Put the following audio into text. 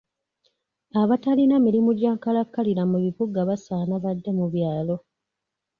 Abatalina mirimu gya nkalakkalira mu bibuga basaana badde mu byalo.